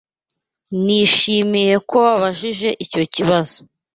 Nishimiye ko wabajije icyo kibazo.